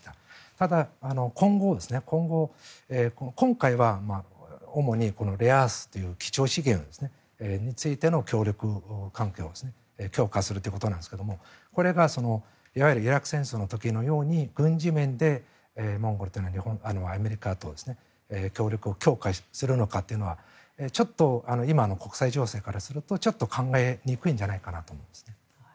ただ、今後今回は主にレアアースという貴重資源についての協力関係を強化するということなんですがこれがいわゆるイラク戦争の時のように軍事面でモンゴルというのはアメリカと協力を強化するのかというのはちょっと今の国際情勢からするとちょっと考えにくいんじゃないかなと思うんですね。